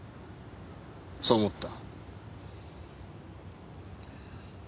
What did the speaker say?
そう思った。